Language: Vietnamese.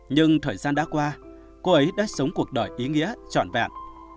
nhưng thời gian đã qua cô ấy đã sống cuộc đời ý nghĩa trọn vẹn